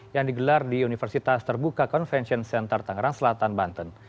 yang digelar di universitas terbuka convention center tangerang selatan banten